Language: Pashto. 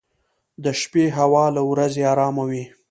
• د شپې هوا له ورځې ارام وي.